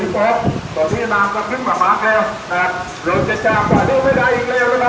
สวัสดีครับ